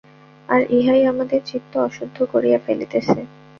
আর ইহাই আমাদের চিত্ত অশুদ্ধ করিয়া ফেলিতেছে।